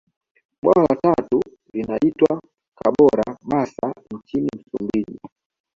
Bwawa la tatu linaitwa Kabora basa nchini Msumbiji